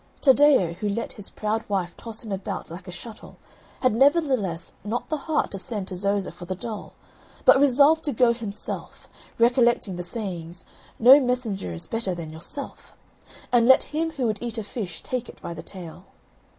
Taddeo, who let his proud wife toss him about like a shuttle, had nevertheless not the heart to send to Zoza for the doll, but resolved to go himself, recollecting the sayings: "No messenger is better than yourself," and "Let him who would eat a fish take it by the tail."